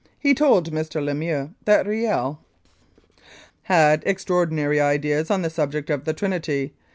He told Mr. Lemieux that Riel "had extraordinary ideas on the subject of the Trinity.